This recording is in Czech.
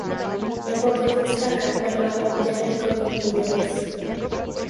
Novogotická kaple má obdélníkový půdorys.